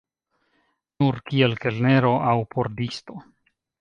Nur kiel kelnero aŭ pordisto.